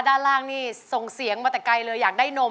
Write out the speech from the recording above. ด้านล่างนี่ส่งเสียงมาแต่ไกลเลยอยากได้นม